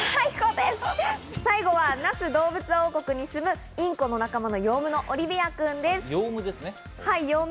最後は那須どうぶつ王国に住む、インコの仲間のヨウムのオリビアくんです。